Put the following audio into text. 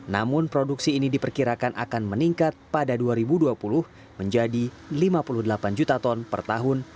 namun produksi ini diperkirakan akan meningkat pada dua ribu dua puluh menjadi lima puluh delapan juta ton per tahun